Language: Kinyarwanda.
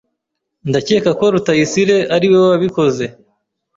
Ndakeka ko Rutayisire ari we wabikoze.